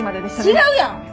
違うやん！